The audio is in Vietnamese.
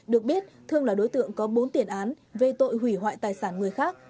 được biết thương là đối tượng có bốn tiền án về tội hủy hoại tài sản người khác